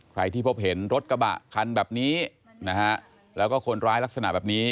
ใครที่พบเห็นรถกระบะคันแบบนี้นะฮะแล้วก็คนร้ายลักษณะแบบนี้